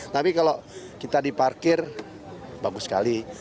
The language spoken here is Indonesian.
tapi kalau kita diparkir bagus sekali